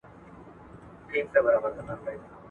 ایا د زړه د حرکت د سموالي لپاره د انارو جوس ګټور دی؟